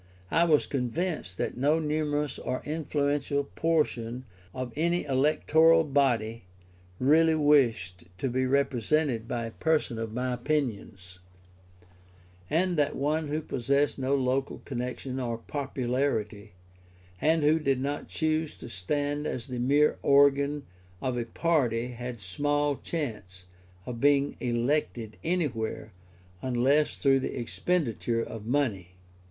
I was convinced that no numerous or influential portion of any electoral body, really wished to be represented by a person of my opinions; and that one who possessed no local connection or popularity, and who did not choose to stand as the mere organ of a party had small chance of being elected anywhere unless through the expenditure of money.